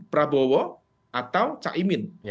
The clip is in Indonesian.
prabowo atau caimin